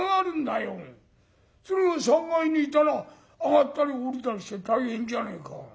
それが３階にいたら上がったり下りたりして大変じゃねえか。